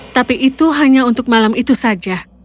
tapi itu hanya untuk malam itu saja